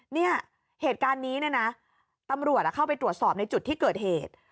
เนี่ยเหตุการณ์นี้เนี่ยนะตำรวจเข้าไปตรวจสอบในจุดที่เกิดเหตุ